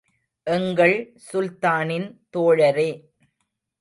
எங்கள் சுல்தானின் தோழரே!